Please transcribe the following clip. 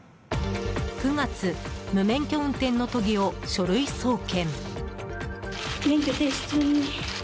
９月無免許運転の都議を書類送検。